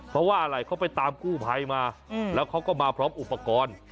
เพราะว่าอะไรเขาไปตามกู้ภัยมาแล้วเขาก็มาพร้อมอุปกรณ์